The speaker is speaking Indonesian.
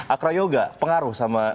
acroyoga pengaruh sama